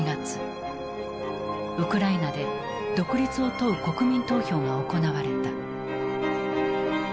ウクライナで独立を問う国民投票が行われた。